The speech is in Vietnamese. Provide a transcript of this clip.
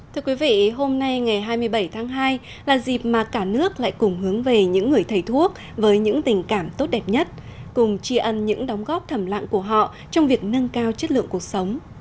thưa quý vị hôm nay ngày hai mươi bảy tháng hai là dịp mà cả nước lại cùng hướng về những người thầy thuốc với những tình cảm tốt đẹp nhất cùng chia ân những đóng góp thầm lạng của họ trong việc nâng cao chất lượng cuộc sống